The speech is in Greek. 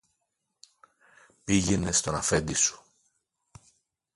Πήγαινε στον αφέντη σου